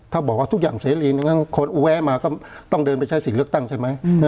ถ้าบอกว่าทุกอย่างเสรีคนแวะมาก็ต้องเดินไปใช้สิทธิ์เลือกตั้งใช่ไหม